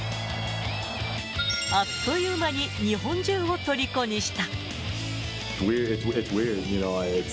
あっという間に日本中をとりこにした。